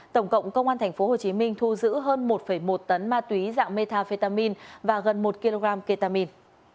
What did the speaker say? tổng cộng công an tp hcm thu giữ hơn một một tấn ma túy dạng metafetamin và gần một kg ketamin